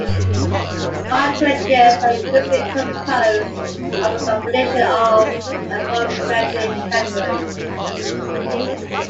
Cartridges are usually composed of a combination of the aforementioned categories.